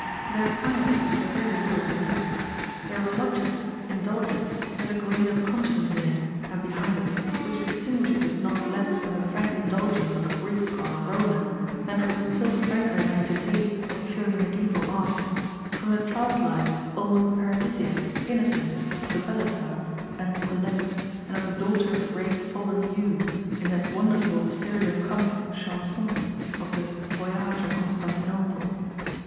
Their piety is a very little deliberate, their voluptuous indulgence has a grain of conscience in it and behind it, which distinguishes it not less from the frank indulgence of a Greek or a Roman than from the still franker naïveté of purely mediaeval art, from the childlike, almost paradisiac, innocence of the Belli cents and Nicolettes and of the daughter of the great Soldan Hugh in that wonderful serio comic chanson of the Voyage à Constantinople.